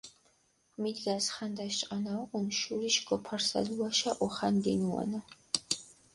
მიდგას ხანდაშ ჭყანა უღუნ, შურიშ გოფარსალუაშა ოხანდინუანა.